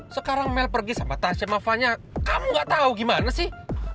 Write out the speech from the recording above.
sekarang mel pergi sama tasya mafanya kamu nggak tahu gimana sih